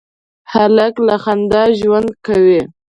هلک له خندا ژوند کوي.